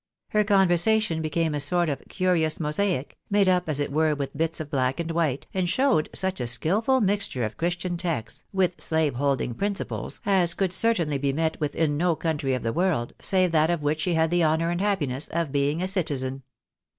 Her conversation became a sort of curious mo saic, made up as it were with bits of black and white, and showed such a skilful mixture of Christian texts, with slave holding prin ciples, as could certainly be met with in no country of the world, save that of which she had the honour and happiness of being a citizen.